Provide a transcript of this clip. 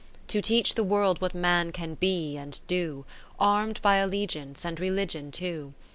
To teach the World what Man can be and do, Arm'd by Allegiance and Religion too.